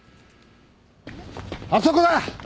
あそこだ！